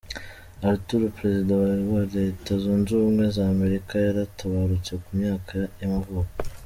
Arthur, perezida wa wa Leta zunze ubumwe za Amerika yaratabarutse ku myaka y’amavuko.